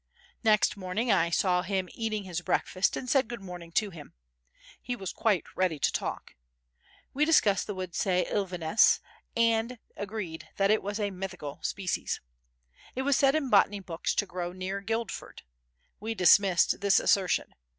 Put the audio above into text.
Next morning I saw him eating his breakfast and said "Good morning" to him. He was quite ready to talk. We discussed the Woodsia Ilvensis and agreed that it was a mythical species. It was said in botany books to grow near Guildford. We dismissed this assertion.